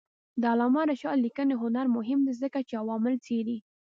د علامه رشاد لیکنی هنر مهم دی ځکه چې عوامل څېړي.